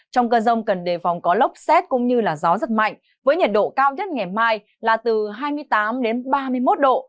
trong cơn rông cần đề phòng có lốc xét cũng như gió rất mạnh với nhiệt độ cao nhất ngày mai là từ hai mươi tám đến ba mươi một độ